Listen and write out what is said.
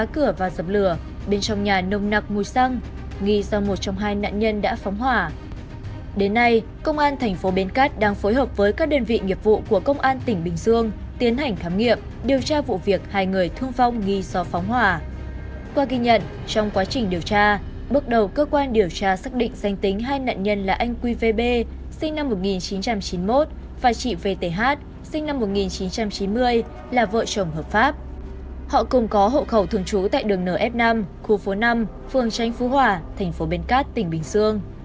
cùng có hộ khẩu thường trú tại đường nf năm khu phố năm phường tranh phú hòa thành phố bến cát tỉnh bình dương